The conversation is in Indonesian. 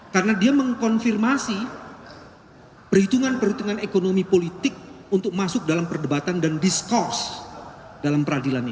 karena dia mengkonfirmasi perhitungan perhitungan ekonomi politik untuk masuk dalam perdebatan dan diskursi dalam peradilan ini